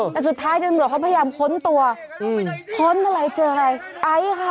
น่ะสุดท้ายเดี๋ยวเขาพยายามคนนร่วมบินคนนร่วมอะไรเจออะไรไอค่ะ